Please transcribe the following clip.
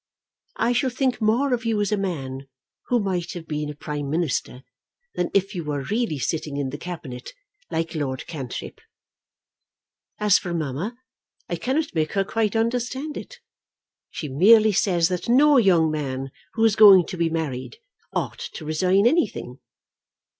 I shall think more of you as a man who might have been a Prime Minister than if you were really sitting in the Cabinet like Lord Cantrip. As for mamma, I cannot make her quite understand it. She merely says that no young man who is going to be married ought to resign anything.